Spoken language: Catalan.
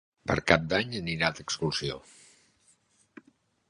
Per Cap d'Any anirà d'excursió.